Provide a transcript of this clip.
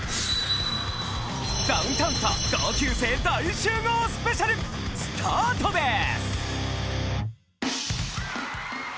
ダウンタウンと同級生大集合ＳＰスタートです